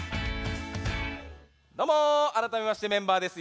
どうもあらためましてメンバーです。